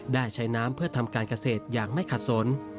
ได้ใช้น้ำเพื่อทำการเกษตรอย่างไม่ขัดสน